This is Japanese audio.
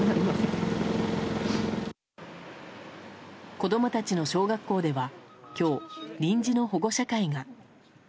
子供たちの小学校では今日、臨時の保護者会が。